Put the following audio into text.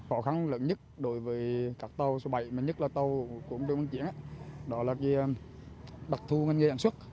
khó khăn lớn nhất đối với các tàu một mươi bảy nhất là tàu của công ty băng chiến đó là bắt thu ngân nghề sản xuất